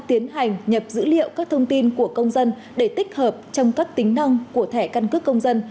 tiến hành nhập dữ liệu các thông tin của công dân để tích hợp trong các tính năng của thẻ căn cước công dân